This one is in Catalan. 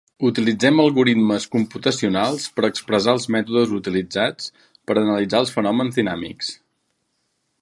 Utilitzem algoritmes computacionals per expressar els mètodes utilitzats per analitzar els fenòmens dinàmics.